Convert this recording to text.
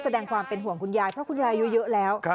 แสดงความเป็นห่วงคุณยายเพราะคุณยายอายุเยอะแล้ว